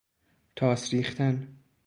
تاس ریختن